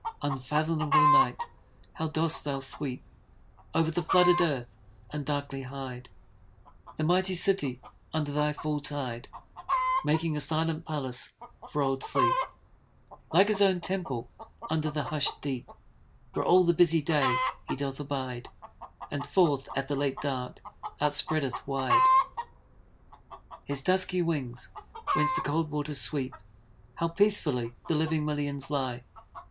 Unfathomable Night! how dost thou sweep Over the flooded earth, and darkly hide The mighty city under thy full tide; Making a silent palace for old Sleep, Like his own temple under the hush'd deep, Where all the busy day he doth abide, And forth at the late dark, outspreadeth wide His dusky wings, whence the cold waters sweep! How peacefully the living millions lie!